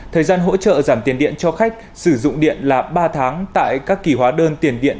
thời gian hỗ trợ giảm tiền điện cho khách sử dụng điện là ba tháng tại các kỳ hóa đơn tiền điện